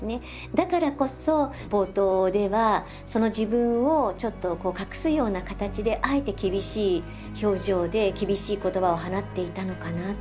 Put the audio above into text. だからこそ冒頭ではその自分をちょっと隠すような形であえて厳しい表情で厳しい言葉を放っていたのかな。